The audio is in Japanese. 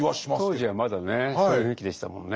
当時はまだねそういう雰囲気でしたもんね。